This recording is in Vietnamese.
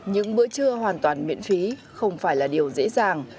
những bữa trưa hoàn toàn miễn phí không phải là điều dễ dàng